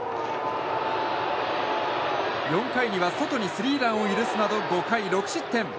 ４回にはソトにスリーランを許すなど５回６失点。